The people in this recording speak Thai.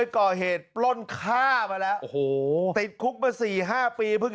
แต่ติดคุก๔๕ปี